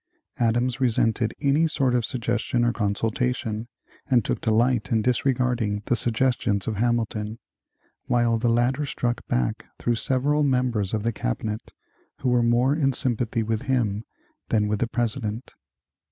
Adams resented any sort of suggestion or consultation, and took delight in disregarding the suggestions of Hamilton, while the latter struck back through several members of the cabinet, who were more in sympathy with him than with the President.